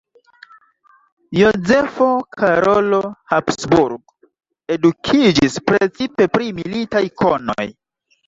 Jozefo Karolo Habsburg edukiĝis precipe pri militaj konoj.